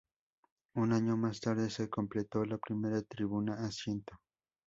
Un año más tarde, se completó la primera tribuna asiento.